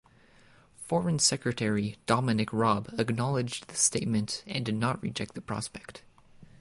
Foreign Secretary Dominic Raab acknowledged this statement and did not reject the prospect.